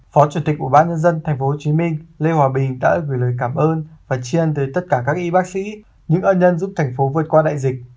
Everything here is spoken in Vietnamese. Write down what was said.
phó chủ tịch bộ bán nhân dân tp hcm lê hòa bình đã gửi lời cảm ơn và chiên tới tất cả các y bác sĩ những ân nhân giúp tp vượt qua đại dịch